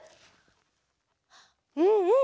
うんうん。